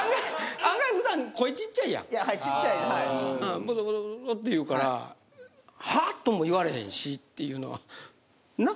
ボソボソボソって言うから「はあ？」とも言われへんしっていうのは。